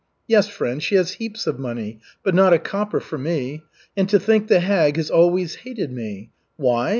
Yes, friend, she has heaps of money, but not a copper for me. And to think the hag has always hated me. Why?